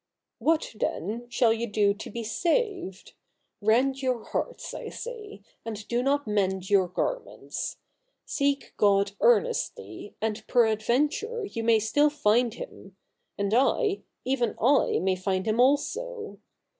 ' What, then, shall you do to be saved ? Rend your hearts, I say, and do not mend your garments. Seek CH. i] THE NEW REPUBLIC 251 God earnestly, and perad venture you still may find Him — and I — even I may find Him also.